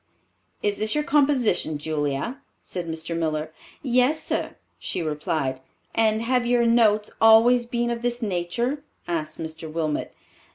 "Is this your composition, Julia?" said Mr. Miller. "Yes, sir," she replied. "And have your 'notes' always been of this nature?" asked Mr. Wilmot.